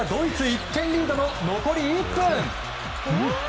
１点リードの残り１分。